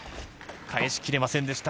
返しきれませんでした。